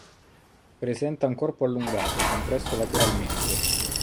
Presenta un corpo allungato, compresso lateralmente.